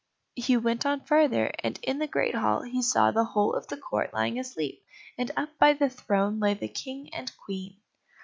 He went on farther, and in the great hall he saw the whole of the court lying asleep, and up by the throne lay the King and Queen.